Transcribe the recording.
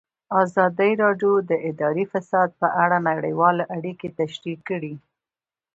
ازادي راډیو د اداري فساد په اړه نړیوالې اړیکې تشریح کړي.